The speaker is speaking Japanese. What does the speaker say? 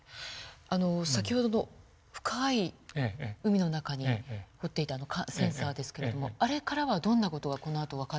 先ほどの深い海の中に掘っていたセンサーですけれどもあれからはどんな事がこのあと分かってくるんですか？